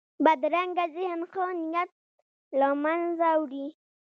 بدرنګه ذهن ښه نیت له منځه وړي